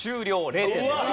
０点です。